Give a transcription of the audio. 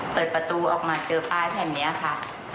เปิดประตูออกมาเจอป้ายแผ่นนี้ค่ะ